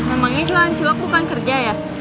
emangnya jualan siwak bukan kerja ya